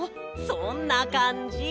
そんなかんじ！